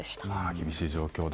厳しい状況で。